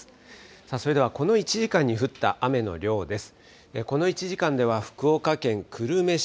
さあ、それではこの１時間に降った雨の量です。